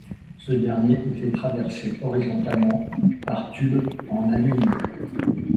Ce dernier était traversé horizontalement par tubes en aluminium.